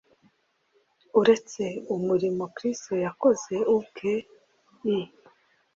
Uretse umurimo Kristo yakoze ubwe, i